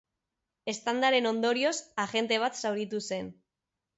Eztandaren ondorioz, agente bat zauritu zen.